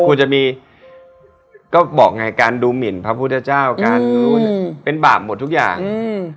ควรจะมีก็บอกไงการดูหมินพระพุทธเจ้าการอืมเป็นบาปหมดทุกอย่างอืม